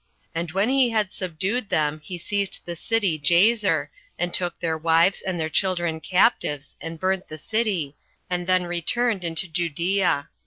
And when he had subdued them, he seized on the city Jazer, and took their wives and their children captives, and burnt the city, and then returned into Judea.